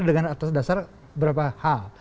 berdasar berapa hal